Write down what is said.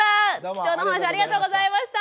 貴重なお話ありがとうございました。